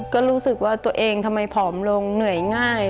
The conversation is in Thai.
ก็รู้สึกว่าตัวเองทำไมผอมลงเหนื่อยง่าย